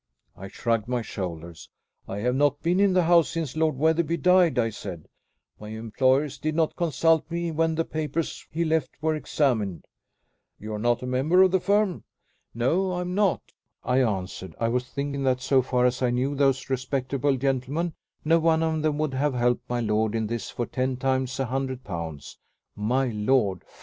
I shrugged my shoulders. "I have not been in the house since Lord Wetherby died," I said. "My employers did not consult me when the papers he left were examined." "You are not a member of the firm?" "No, I am not," I answered. I was thinking that, so far as I knew those respectable gentlemen, no one of them would have helped my lord in this for ten times a hundred pounds. My lord!